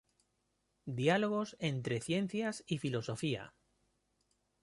Diálogos entre ciencias y filosofía.